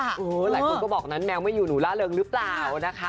หลายคนก็บอกนั้นแมวไม่อยู่หนูล่าเริงหรือเปล่านะคะ